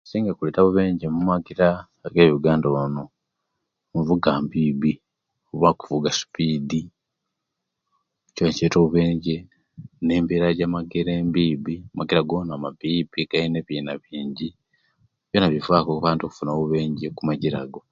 Ekisinga okuleta obubenje omumagira age uganda wano, nvuga nbibi, oba kuvuga spidi nikyo ekireta obubenje, nengeri eyamangira embibi mangira gona mabibi; glina ebiina bingi byona bivaku abantu okufuna obubenje kumangira ago.